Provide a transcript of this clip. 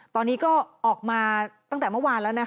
ตอนนี้ก็ออกมาตั้งแต่เมื่อวานแล้วนะคะ